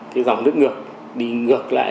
cái dòng nước ngược đi ngược lại